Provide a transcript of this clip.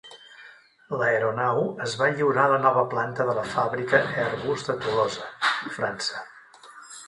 L'aeronau es va lliurar a la nova planta de la fàbrica Airbus de Tolosa, França.